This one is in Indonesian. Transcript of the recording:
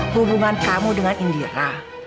hubungan kamu dengan indira